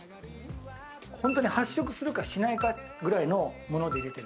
ホントに発色するか、しないかぐらいのもので入れて。